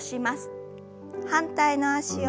反対の脚を。